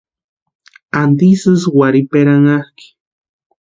¿Antisï ísï warhiperanhakʼi?